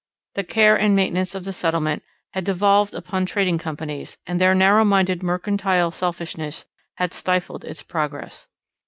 The care and maintenance of the settlement had devolved upon trading companies, and their narrow minded mercantile selfishness had stifled its progress.